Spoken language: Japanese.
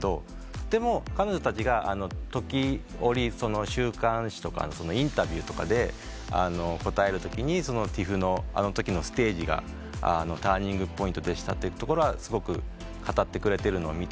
でも彼女たちが時折週刊誌とかインタビューとかで応えるときにＴＩＦのあのときのステージがターニングポイントでしたってすごく語ってくれてるのを見て。